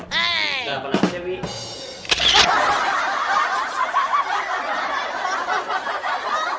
sarapan apa dewi